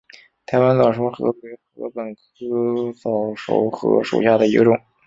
台湾早熟禾为禾本科早熟禾属下的一个种。